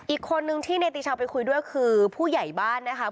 อีกคนนึงที่เนติชาวไปคุยด้วยคือผู้ใหญ่บ้านนะคะ